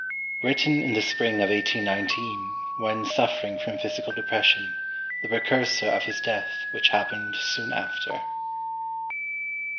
[Written in the spring of 1819, when suffering from physical depression, the precursor of his death, which happened soon after.